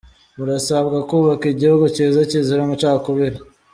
Murasabwa kubaka igihugu cyiza kizira amacakubiri.